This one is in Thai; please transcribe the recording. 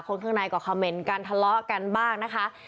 ข้างในก็คอมเมนต์กันทะเลาะกันบ้างนะคะ